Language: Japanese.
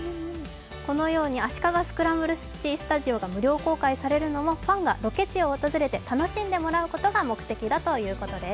このように足利スクランブルスタジオが無料公開されるのもファンがロケ地を訪れて楽しんでもらえることが目的だそうです。